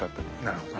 なるほど。